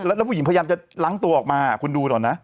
แล้วผู้หญิงพยายามจะล้างตัวออกมาคุณดูก่อนนะ